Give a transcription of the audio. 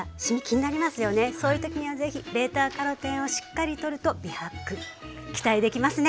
そういう時には是非ベータカロテンをしっかりとると美白期待できますね。